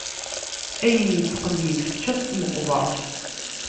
Ayen nettqellib, tečča-t tmeqbeṛt.